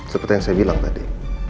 seperti yang saya bilang tadi